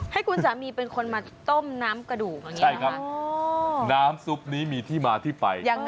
ให้คุณสามีเป็นคนมาต้มน้ำกระดูกใช่ครับน้ำซุปนี้มีที่มาที่ไป